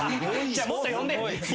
じゃあもっと呼んで。